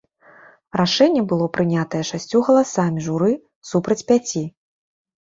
Рашэнне было прынятае шасцю галасамі журы супраць пяці.